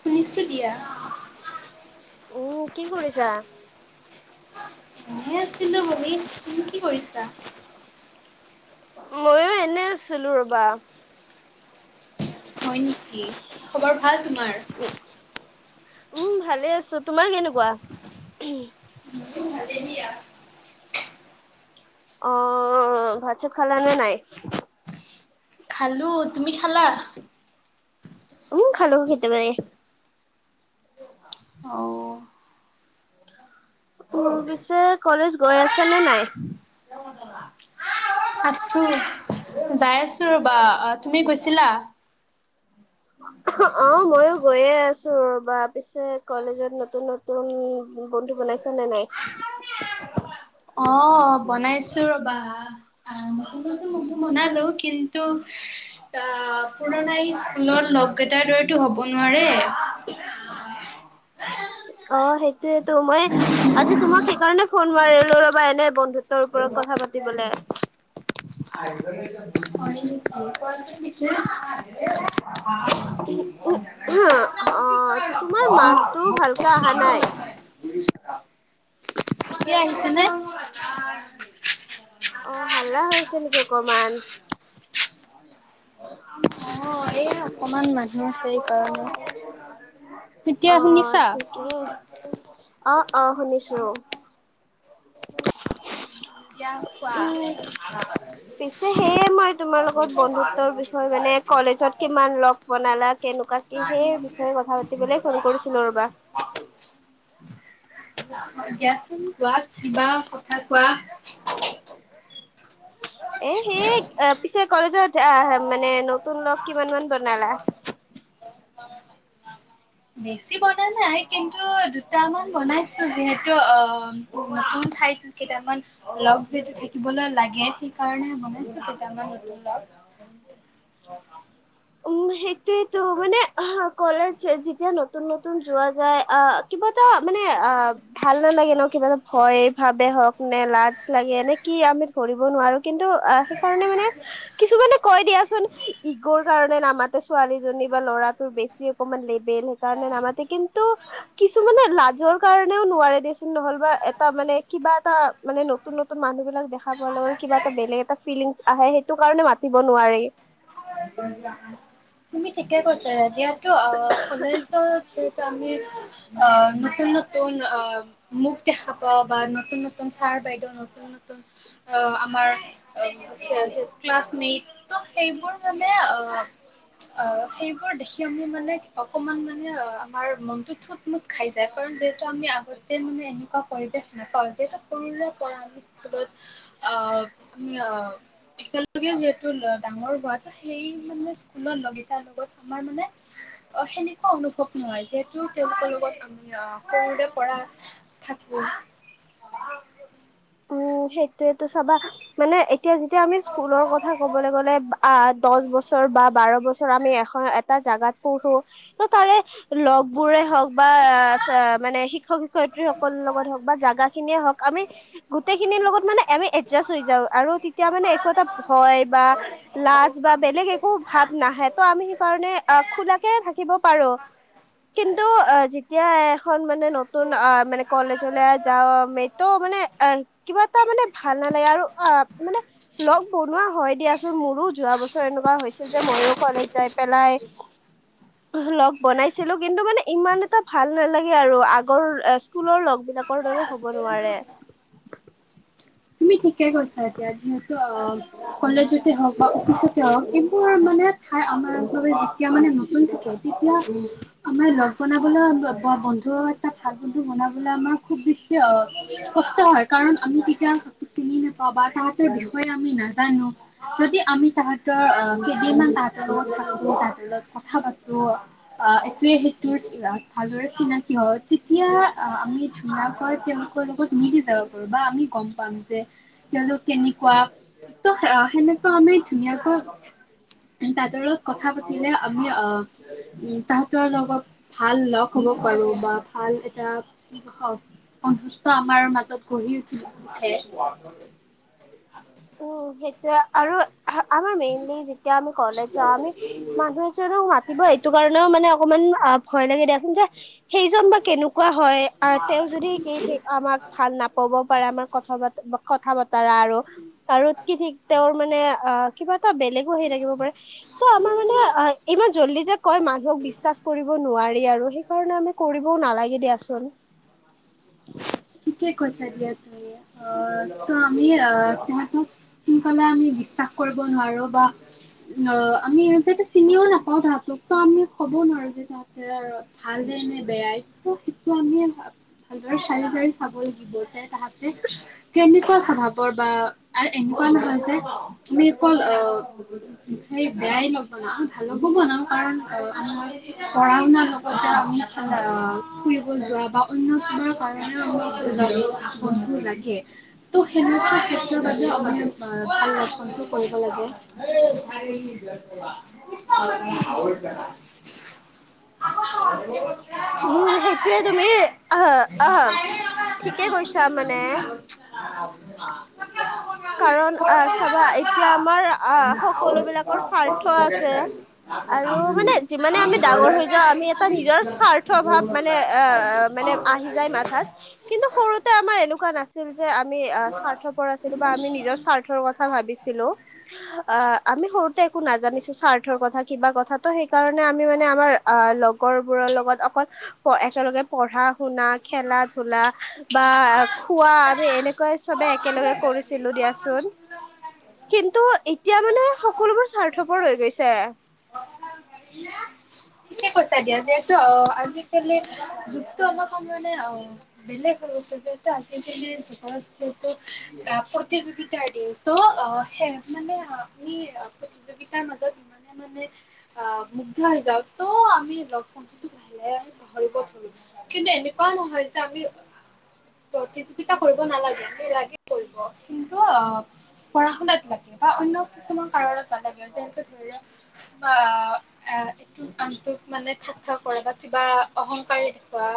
শুনিছো দিয়া অ কি কৰিছা? এনে আছিলো বহি তুমি কি কৰিছা? ময়ো এনে আছিলো ৰবা হয় নেকি খবৰ ভাল তোমাৰ? উম ভালে আছো তোমাৰ কেনেকুৱা? মোৰো ভালে দিয়া অ ভাত চাত খালানে নাই? খালো তুমি খালা উম খালো কেতিয়াবাই অও উম, পিছে কলেজ গৈ আছা নে নাই? [unintelligible] [unintelligible] আছোঁ যায় আছোঁ ৰ'বা, তুমি গৈছিলা? অ', ময়ো গৈয়ে আছ ৰ'বা পিছে কলেজত নতুন নতুন বন্ধু বনাইছে নে নাই? [inaudible] অ', বনাইছো ৰ'বা। [unintelligible] বনালো কিন্তু অ', পুৰণা স্কুলৰ লগ কেইটাৰ দৰেটো হ'ব নোৱাৰে। অ', সেইটোৱেটো মই আজি তোমাক সেইকাৰণে ফোন মাৰিলো ৰ'বা এনে বন্ধুত্ব তৰ ওপৰত কথা পাতিবলে। [unintelligible] [unintelligible] অ', তোমাৰ মাততো ভালকে অহা নাই। সি আহিছেনে? অ', হাল্লা হৈছে নেকি অকমান? অ', এই অকমান মানুহ আছে এই কাৰণে। এতিয়া শুনিছা? কি অ', অ', শুনিছো। এতিয়া [inaudible] কোৱা। উম, পিছে সেয়ে মই তোমাৰ লগত বন্ধুত্বৰ বিষয়ে মানে কলেজত কিমান লগ বনালা কেনেকুৱা কি সেই বিষয়ে কথা পাতিবলে ফোন কৰিছিলো ৰ'বা। [unintelligible] দিয়াচোন গোৱাত কিবা [unintelligible] এ সেই পিছে কলেজত অহ, মানে নতুন লগ কিমান মান বনালা? [inaudible] বেছি বনা নাই কিন্তু দুটামান বনাইছো যিহেতু অ', নতুন ঠাইত কেইটামান লগ যিহেতু থাকিবলৈ লাগে সেই কাৰণে বনাইছো কেইটামান লগ। উম, সেইটোয়েটো মানে কলাৰ যেতিয়া ন নতুন নতুন যোৱা যায় অহ, কিবা এটা মানে অহ ভাল নালাগে ন' কিবা এটা ভয় ভাবে হওঁক নে লাজ লাগে নে কি আম কৰিব নোৱাৰো কিন্তু সেইকাৰণে মানে কিছুমানে কয় দিয়াচোন ইক' স কাৰণে নামাতে ছোৱালীজনী বা ল'ৰাটোৰ বেছি অকমান লেবেল সেইকাৰণে নামাতে কিন্তু কিছুমানে লাজৰ কাৰণেও নোৱাৰে দিয়াচোন নহ'ল বা এটা মানে কিবা এটা মানে নতুন নতুন মানুহবিলাক দেখা খাব ল'ল কিবা এটা বেলেগ এটা ফিলিংস আহে সেইটো কাৰণে মাতিব নোৱাৰি। [inaudible] তুমি ঠিকে কৈছা যিহেতু অ', কলেজত যিহেতু আমি অ', নতুন ন নতুন অ', মুখ দেখা পাওঁ বা নতুন নতুন ছাৰ বাইদেউ নতুন নতুন অ', আমাৰ ক্লাছমেটচ চ' সেইবোৰ মানে অ' অ', সেইবোৰ দেখি আমি মানে অকমান মানে অ', আমাৰ মনটোত মোক খাই যায় কাৰণ যিহেতু আমি আগতে মানে এনেকুৱা হয় যে নেপাওঁ যিহেতু সৰুলে পৰা অহ, অহ, একেলগে যিহেতু ডাঙৰ হোৱাত সেই মানে স্কুলত লগকেইটাৰ লগত আমাৰ মানে অ', সেনেকুৱা অনুভৱ নহয় যিহেতু, তেওঁলোকৰ লগত আমি আহ সৰুৰে পৰা [unintelligible] [unintelligible] উম, সেইটোয়েতো চাবা। মানে এতিয়া যেতিয়া আমি স্কুলৰ কথা ক'বলৈ গ'লে আ দহ বছৰ বা বাৰ বছৰ আমি এখন এটা জাগাত পঢ়ো ত' তাৰে লগ বোৰে হওক বা আ মানে শিক্ষক শিক্ষক-শিক্ষয়ত্ৰী সকলৰ লগত হওঁক বা জেগা খিনিয়ে হওঁক আমি গোটেইখিনিৰ লগত মানে আমি এডজাষ্ট হৈ যাওঁ, আৰু তেতিয়া মানে একো এটা হয় বা লাজ বা বেলেগ একো ভাৱ নাহে, ত' আমি সেইকাৰণে আহ খোলাকে থাকিব পাৰো। কিন্তু আহ যেতিয়া [unintelligible] খন মানে নতুন আহ মানে কলেজলে যাম [unintelligible] মানে কিবা এটা মানে ভাল নালাগে, আৰু আহ মানে লগ বনোৱা হয় দিয়াচোন মোৰো, যোৱা বছৰ এনেকুৱা হৈছিল যে ময়ো কলেজ যাই পেলাই [inaudible] [unintelligible] লগ বনাইছিলো, কিন্তু মানে ইমান এটা ভাল নালাগে আৰু আগৰ স্কুলৰ লগ বিলাক লগৰ দৰে হ'ব নোৱাৰে। তুমি ঠিকেই কৈছা এতিয়া যিহেতু আহ কলেজ [unintelligible] অফিচত এ এইবোৰৰ মানে ঠাই আমাৰ বাবে যেতিয়া মানে নতুন থাকে তেতিয়া আমাৰ লগ বনাবলে ব-বন্ধু ভাল বন্ধু বনাবলে‌ আমাক খুব বেছি [unintelligible] কষ্ট হয়, কাৰণ আমি তেতিয়া চিনি নাপাওঁ বা তাহতৰ বিষয়ে আমি নাজানো। যদি আমি তাহতৰ আ কেইদিনমান তাহতৰ [unintelligible] তাহতৰ লগত কথা পাতো আহ ইতোৱে সিতোৰ ভালদৰে চিনাকী হৈ তেতিয়া আমি [unintelligible] [unintelligible] বা আমি গম পাম। তেওঁলোক কেনেকুৱা ত' সেনেকুৱা আমি ধুনীয়াকৈ [unintelligible] কথা পাতিলে আমি আহ উম, তাহতৰ লগত ভাল লগ হব পাৰো বা ভাল এটা [unintelligible] আমাৰ মাজত গঢ়ি উঠ-উঠে। উম, সেইটোয়ে আৰু [unintelligible] আমাৰ মেইনলি যেতিয়া আমি ঘৰলে যাওঁ, আমি মানুহ এজনক মাটিব সেইটো কাৰণেও মানে অকমান আহ ভয় লাগে দিয়াচোন [unintelligible] সেইজন বা কেনেকুৱা হয়, আহ তেওঁ যদি কি ঠিক উঠে। আমাক ভাল নাপ ক'ব পাৰে আমাৰ কথা ব কথা বতৰা আৰু আৰু কি ঠিক তেওঁৰ মানে অ' কিবা এটা বেলেগো হেৰি থাকিব পাৰে। ত' আমাৰ মানে আহ ইমান জল্দি যে কয় মানুহক বিশ্বাস কৰিব নোৱাৰি আৰু হে সেইটো কাৰণে আমি কৰিবও নালাগে দিয়াচোন। ঠিকে কৈছা দিয়া তুমি, আহ ত' আমি সিহতক সোনকালে আমি বিশ্বাস কৰিব নোৱাৰো বা অ', আমি যিহেটো চিনিও নাপাও তাহতক ত' আমি ক'বও নোৱাৰো যে তাহ [unintelligible] [unintelligible] তাহতে কেনেকুৱা স্বভাৱৰ বা আৰু এনেকুৱা নহয় যে, তুমি অকল অ' [unintelligible] সি যে পঢ়া শুনা নকৰে। নকৰে অহ [inaudible] [inaudible] কৰিব লাগে। [unintelligible] [unintelligible] উম সেইটোয়ে তুমি আহ আহ। ঠিকে কৈছা মানে [unintelligible] কাৰণ আহ চাবা এতিয়া আমাৰ আহ সকলো বিলাকৰ স্বাৰ্থ আছে। আৰু মানে যিমানে আমি ডাঙৰ হৈ যাওঁ আমি এটা নিজৰ স্বাৰ্থ অভাৱ মানে আ। মানে আহি যায় মাথাত, কিন্তু সৰুতে আমাৰ এনেকুৱা নাছিল যে আমি আ স্বাৰ্থপৰ আছি কিবা আমি নিজৰ স্বাৰ্থৰ কথা ভাবিছিলো, আ আমি সৰুতে একো নাজানিছো স্বাৰ্থৰ কথা কিবা কথাটো ত সে সেইটোকাৰণে আমি মানে আমাৰ আহ লগৰ বোৰৰ লগত অকল প একেলগে পঢ়া-শুনা, খেলা-ধূলা। বা খোৱা আমি এনেকুৱাই চবে একেলগে কৰিছিলো দিয়াচোন, কিন্তু এতিয়া মানে সকলোবোৰ স্বাৰ্থ পৰ হৈ গৈছে। ঠিকে ঠিকে কৈছা দিয়া যিহেতু অ আজিকালি যুগ টো আমাক মানে অ। বেলেগ হৈ গৈছে যিহেতু আজিৰ জেনেৰেচন আ প্ৰতিযোগিতা দিয়ো ত [unintelligible] তাৰ মাজত [unintelligible] কিন্তু এনেকুৱাও নহয় যে আমি। প্ৰতিযোগিতা কৰিব নালাগে সেই লাগে কৰিব কিন্তু অ পঢ়া শুনাত লাগে বা অন্য কিছুমান কাৰণত নালাগে যেনে ধৰি লওক অ এ কামটোত মানে থাথতা কৰে বা কিবা অহংকাৰী দেখোৱা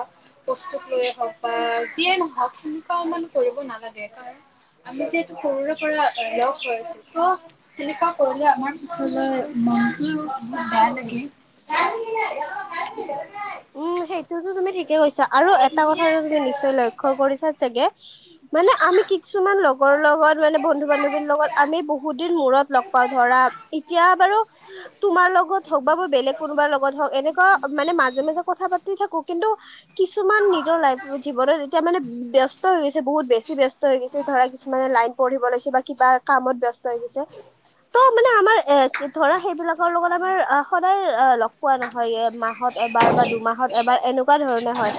বস্তুত লৈয়ে হওক বা যিয়ে নহওক সেনেকুৱাও মানে কৰিব নালাগে কাৰণ আমি যিহেতু সৰুৰে পৰা লগ হৈ আছো ত তেনেকুৱা কৰিলে আমাৰ পিছলৈ মনটো বেয়া লাগে [unintelligible] উম সেইটোতো তুমি ঠিকে কৈছা আৰু এটা কথাটো তুমি নিশ্চয় লক্ষ্য কৰিছা চাগে মানে আমি কিছুমান লগৰ লগত মানে বন্ধু বান্ধৱীৰ লগত আমি বহুত দিন মূৰত লগ পাওঁ ধৰা এতিয়া বাৰু তোমাৰ লগত হওক বা মোৰ বেলেগ কোনোবাৰ লগত হওক এনেকুৱা মানে মাজে মাজে কথা পাতি থাকো কিন্তু কিছুমান নিজৰ লাইফ জীৱনত এতিয়া মানে ব্যস্ত হৈ গৈছে বহুত বেছি ব্যস্ত হৈ গৈছে ধৰা কিছুমানে লাইন পঢ়িব লৈছে বা কিবা কামত ব্যস্ত হৈ গৈছে ত মানে আমাৰ এ ধৰা সেইবিলাকৰ লগত আমাৰ সদায় পোৱা নহয় এই মাহত এবাৰ বা ত এবাৰ এনেকুৱা ধৰণে হয়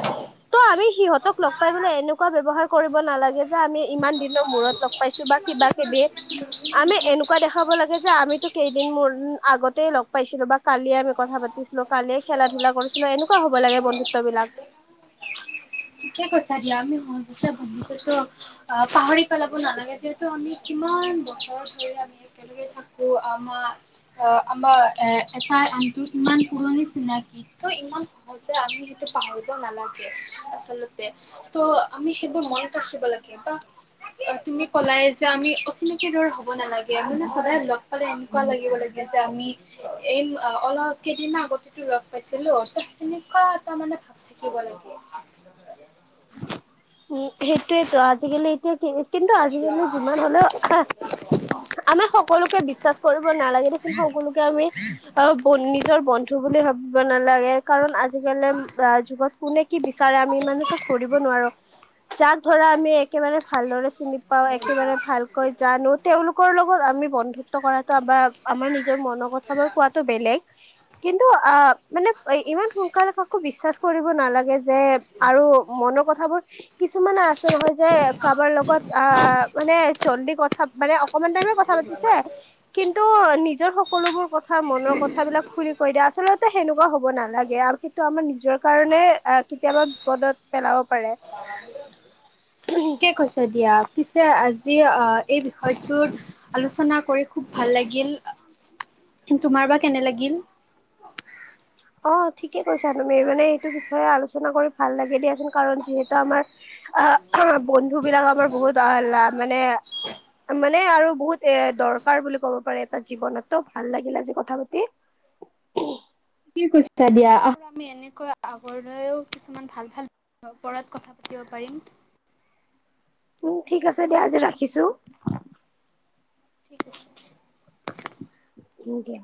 ত' আমি সিহঁতক লগ পালে এনেকুৱা ব্যৱহাৰ কৰিব নালাগে বা আমি ইমান দিনৰ মূৰত লগ পাইছো বা কিবা কিবি আমি এনেকুৱা দেখাব লাগে যে আমিতো কেইদিন মান আগতে লগ পাইছিলো বা কালিয়ে আমি কথা পাতিছিলো কালিয়ে খেলা ধূলা কৰিছিলো এনেকুৱা হ'ব লাগে বন্ধুত্ব বিলাক ঠিকে কৈছা দিয়া আমি সহজতে বন্ধুত তো অ পাহৰি পেলাব নালাগে যে ত আমি কিমান বছৰ ধৰি আমি একেলগে থাকো আমাৰ অ আমাৰ এ এটাই আনটোত ইমান পুৰণি চিনাকি ত ইমান [unintelligible] আমি সেইটো পাহৰিব নালাগে। আচলতে ত' আমি সেইবোৰ মনত ৰাখিব লাগে, বা অ, তুমি ক'লাই যে আমি অচিনাকিৰ দৰে হ'ব নালাগে, মানে সদায় লগ [unintelligible] এনেকুৱা লাগিব লাগে যে, আমি এই অলপ কেইদিন মান আগতেতো লগ পাইছিলো ত' তেনেকুৱা এটা মানে ভাব থাকিব লাগে। উম, সেইটোয়েতো আজিকালি এতিয়া কি কিন্তু আজিকালি যিমান হলেও হা আমাক সকলোকে বিশ্বাস কৰিব নালাগে দেচোন সকলোকে আমি অ, ব নিজৰ বন্ধু বুলি ভাবিব নালাগে, কাৰণ আজি আজিকালি যুগত কোনে কি বিচাৰে আমি ইমানতো ধৰিব নোৱাৰো। যাক ধৰা আমি একেবাৰে ভালদৰে চিনি পাঁও একেবাৰে ভালকৈ জানো তেওঁওলোকৰ লগত আমি বন্ধু টকাৰ এটা বা আমাৰ আমাৰ নিজৰ মনৰ কথাবোৰ কোৱাটো বেলেগ। কিন্তু, আ, মানে ইমান সোনকালে কাকো বিশ্বাস কৰিব নালাগে যে যে আৰু মনৰ কথাবোৰ কিছুমানে আছে নহয় যে কাৰোবাৰ লগত আ মানে জল্দি কথা মানে অকমান টাইমে কথা পাতিছে কিন্তু নিজৰ সকলোবোৰ কথা মনৰ কথাবিলাক খুুলি কৈ দিয়ে আচলতে সেনেকুৱা হ'ব নালাগে, আৰু সেইটো আমাৰ নিজৰ কাৰণে অ, কেতিয়াবা বিপদত পেলাব পাৰে। ঠিকেই কৈছা দিয়া। পিছে আজি আহ, এই বিষয়টোৰ আলোচনা কৰি খুব ভাল লাগিল। তোমাৰ বা কেনে লাগিল? অ, ঠিকে কৈছা তুমি মানে এইটো বিষয়ে আলোচনা কৰি ভাল লাগে দিয়াচোন কাৰণ যিহেতু আমাৰ [unintelligible] বন্ধু বিলাক আমাৰ বহুত আহল্লাহ মানে মা নে আৰু বহুত এ দৰকাৰ বুলি ক'ব পাৰে এটা জীৱনতো, ভাল লাগিল আজি কথা পাতি। [unintelligible] কি কৰিছা দিয়া, আৰু আমি এনেকৈ আগৰলৈও কিছুমান ভাল ভাল ওপৰত কথা পাতিব পাৰিম। উম, ঠিক আছে দিয়া আজি ৰাখিছো। ঠিক আছে। কিনকে?